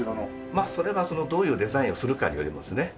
まあそれはどういうデザインをするかによりますね。